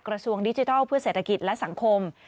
กระทรวงดิจิทัลเพื่อเศรษฐกิจและสังคม